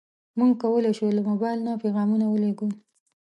موږ کولی شو له موبایل نه پیغامونه ولېږو.